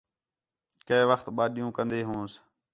کَئے وخت ٻَہہ ݙِین٘ہوں کندے ہونس